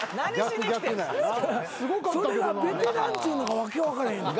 それがベテランっちゅうのが訳分からへんねん。